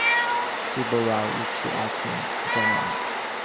Subba Rao used to act in dramas.